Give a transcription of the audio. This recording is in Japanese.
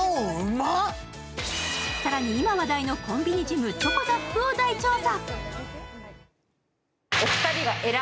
更に今話題のコンビニジムチョコザップを大調査。